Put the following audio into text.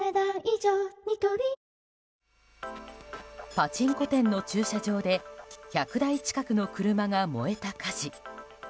パチンコ店の駐車場で１００台近くの車が燃えた火事。